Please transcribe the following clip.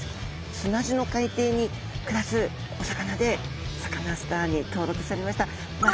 砂地の海底に暮らすお魚でサカナスターに登録されましたうわ！